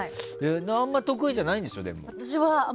あんまり得意じゃないんでしょ？